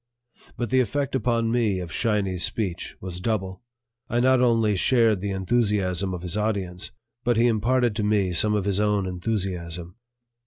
But the effect upon me of "Shiny's" speech was double; I not only shared the enthusiasm of his audience, but he imparted to me some of his own enthusiasm.